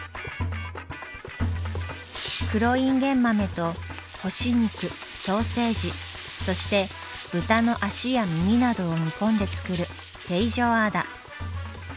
黒インゲン豆と干し肉ソーセージそして豚の足や耳などを煮込んで作るフェイジョアーダ。